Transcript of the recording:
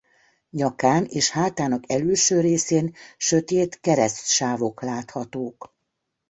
Nyakán és hátának elülső részén sötét keresztsávok láthatók.